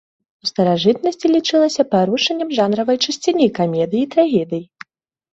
У старажытнасці лічылася парушэннем жанравай чысціні камедыі і трагедыі.